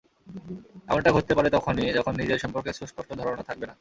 এমনটা ঘটতে পারে তখনই, যখন নিজের সম্পর্কে সুস্পষ্ট ধারণা থাকবে না।